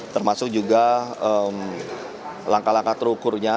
termasuk juga langkah langkah terukurnya